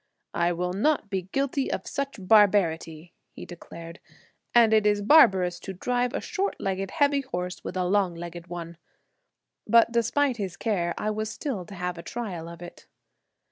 "I will not be guilty of such barbarity," he declared, "and it is barbarous to drive a short legged, heavy horse with a long legged one;" but, despite his care, I was still to have a trial of it.